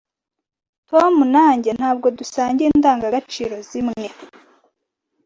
Tom na njye ntabwo dusangiye indangagaciro zimwe.